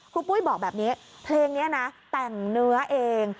ปุ้ยบอกแบบนี้เพลงนี้นะแต่งเนื้อเอง